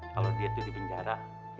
kalau dia itu di penjara